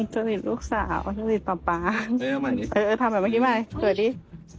จริตลูกสาวจริตป๊าป๊าเออเออทำแบบเมื่อกี้ใหม่เผื่อดี